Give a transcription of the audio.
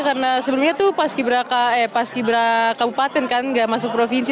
karena sebelumnya tuh paski beraka kabupaten kan gak masuk provinsi